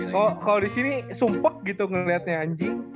kalau disini sumpah gitu ngeliatnya anjing